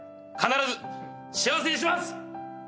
必ず幸せにします！